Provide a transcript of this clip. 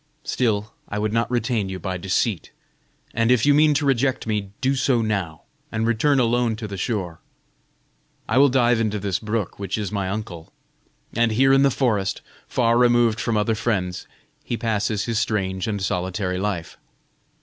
Still, I would not retain you by deceit. And if you mean to reject me, do so now, and return alone to the shore. I will dive into this brook, which is my uncle; and here in the forest, far removed from other friends, he passes his strange and solitary life.